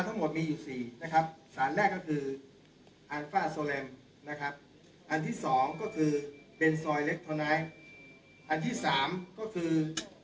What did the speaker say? ทั้งหมดมีอยู่๔นะครับสารแรกก็คืออัลฟ่าโซเลมนะครับอันที่สองก็คือเป็นซอยเล็กเท่านั้นอันที่สามก็คือ